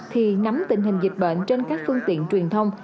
khi nắm tình hình dịch bệnh trên các phương tiện truyền thông